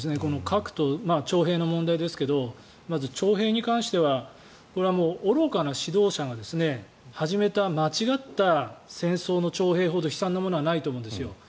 核と徴兵の問題ですがまず、徴兵に関してはこれはおろかな指導者が始めた間違った戦争の徴兵ほど悲惨なものはないと思うんですよ。